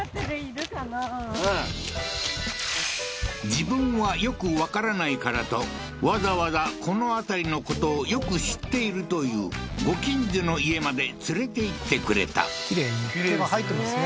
自分はよくわからないからとわざわざこの辺りのことをよく知っているというご近所の家まで連れていってくれたきれいに手が入ってますね